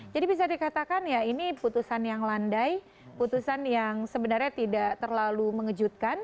jadi bisa dikatakan ya ini putusan yang landai putusan yang sebenarnya tidak terlalu mengejutkan